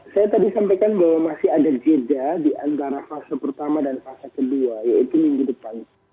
saya tadi sampaikan bahwa masih ada jeda di antara fase pertama dan fase kedua yaitu minggu depan